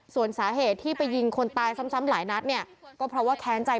ส่วนสาเหตุที่ไปยิงคนตายซ้ำหลายนัดเนี่ยก็เพราะว่าแค้นใจ